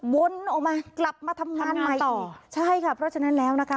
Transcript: วนออกมากลับมาทำงานใหม่ต่อใช่ค่ะเพราะฉะนั้นแล้วนะคะ